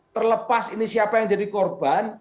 terlepas ini siapa yang jadi korban